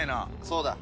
そうだ。